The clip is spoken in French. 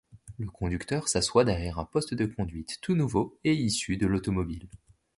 Le conducteur s’assoit derrière un poste de conduite tout nouveau, et issu de l’automobile.